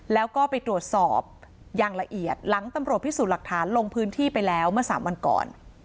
แล้วก็ไปตรวจสอบอย่างละเอียดหลังตำรวจพิสูจน์หลักฐานลงพื้นที่ไปแล้วเมื่อ๓วันก่อน